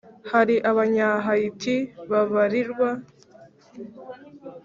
Hari abanyahayiti babarirwa